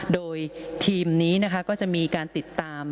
โดยทีมนี้นะคะก็จะมีการติดตาม